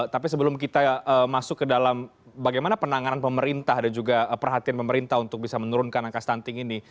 tapi sebelum kita masuk ke dalam bagaimana penanganan pemerintah dan juga perhatian pemerintah untuk bisa menurunkan angka stunting ini